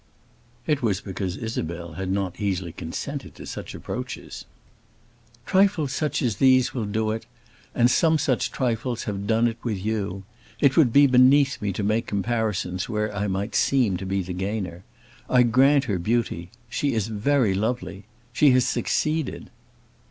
It was because Isabel had not easily consented to such approaches! "Trifles such as these will do it; and some such trifles have done it with you. It would be beneath me to make comparisons where I might seem to be the gainer. I grant her beauty. She is very lovely. She has succeeded."